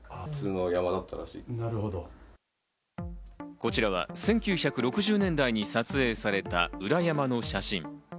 こちらは１９６０年代に撮影された裏山の写真。